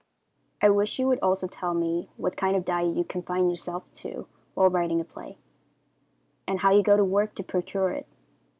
I wish you would also tell me what kind of diet you confine yourself to while writing a play, and how you go to work to procure it.